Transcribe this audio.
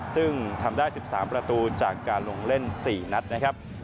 ซึ่งทำได้๑๓ประตูจากการลงเล่น๔นัดนะครับ